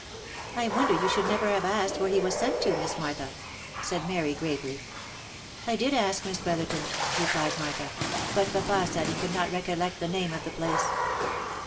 " I wonder you should never have asked where he was sent to, Miss Martha," said Mary, gravely. "I did ask, Miss Brotherton," replied Martha ;" but papa said he could not recollect the name of the place."